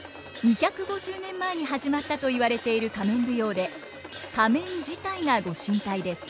２５０年前に始まったと言われている仮面舞踊で仮面自体が御神体です。